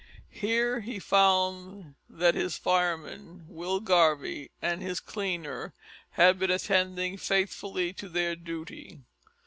Here he found that his fireman, Will Garvie, and his cleaner, had been attending faithfully to their duty.